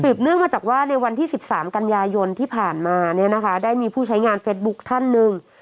เนื่องมาจากว่าในวันที่๑๓กันยายนที่ผ่านมาเนี่ยนะคะได้มีผู้ใช้งานเฟสบุ๊คท่านหนึ่ง